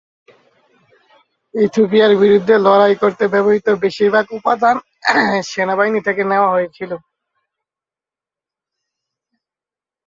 ইথিওপিয়ার বিরুদ্ধে লড়াই করতে ব্যবহৃত বেশিরভাগ উপাদান সেনাবাহিনী থেকে নেওয়া হয়েছিল।